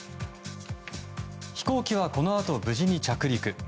飛行機は、このあと無事に着陸。